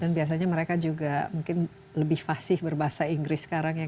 dan biasanya mereka juga mungkin lebih fasih berbahasa inggris sekarang ya